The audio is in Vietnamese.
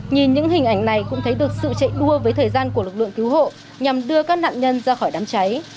nhìn những hình ảnh này cũng thấy được sự chạy đua với thời gian của lực lượng cứu hộ nhằm đưa các nạn nhân ra khỏi đám cháy